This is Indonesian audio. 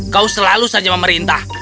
kau selalu saja memerintah